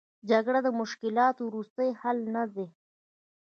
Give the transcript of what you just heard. جګړه د مشکلاتو وروستۍ حل نه دی.